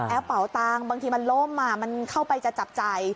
แอปเป่าตังบางทีมันโล่มมามันเข้าไปจะจับใจ